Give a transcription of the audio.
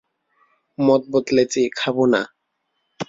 মত বদলেছি, খাব না।